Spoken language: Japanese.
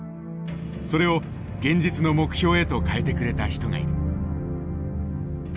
それを現実の目標へと変えてくれた人がいる。